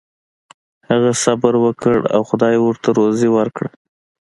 هغه صبر وکړ او خدای ورته روزي ورکړه.